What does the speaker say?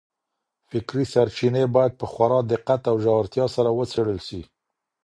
فکري سرچينې بايد په خورا دقت او ژورتيا سره وڅېړل سي.